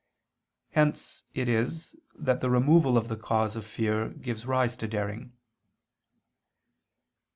Hence it is that the removal of the cause of fear gives rise to daring.